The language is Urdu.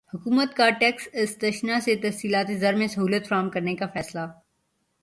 حکومت کا ٹیکس استثنی سے ترسیلات زر میں سہولت فراہم کرنے کا فیصلہ